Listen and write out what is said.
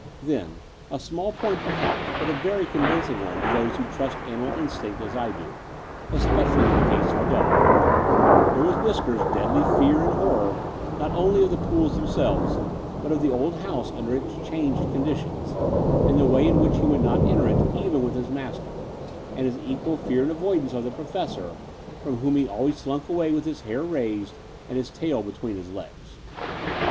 Then — a small point perhaps, but a very con vincing one to those who trust animal instinct as I do, especially in the case of a dog — ^there was Whiskers' deadly fear and horror, not only of the pools themselves, but of the old house tmder its 198 The Door off the Unreal changed conditions, and the way in which he wotdd not enter it even with his master, and his equal fear and avoidance of the Professor, from whom he always slunk away with his hair raised and his tail between his legs.